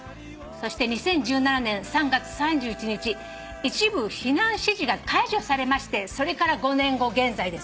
そして２０１７年３月３１日一部避難指示が解除されましてそれから５年後現在ですね。